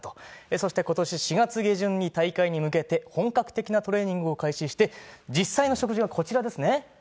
そしてことし４月下旬に大会に向けて、本格的なトレーニングを開始して、実際の食事はこちらですね。